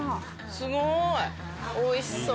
すごい美味しそう。